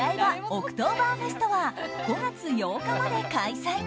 オクトーバーフェストは５月８日まで開催。